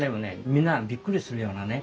みんながびっくりするようなね